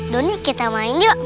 dunia kita main yuk